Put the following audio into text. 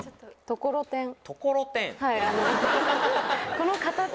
「ところてん」。